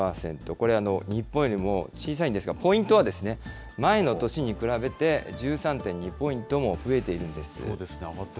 これ、日本よりも小さいんですが、ポイントは前の年に比べて１３．２ポイントも増えているんです。